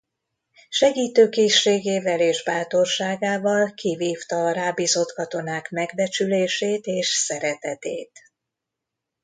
Segítőkészségével és bátorságával kivívta a rábízott katonák megbecsülését és szeretetét.